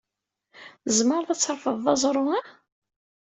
Tzemreḍ ad trefdeḍ aẓru-a?